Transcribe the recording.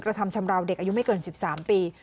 กระทำชำราวเด็กอายุไม่เกิน๑๓ปี